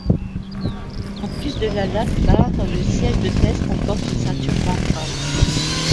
En plus de la lap bar, le siège de test comporte une ceinture ventrale.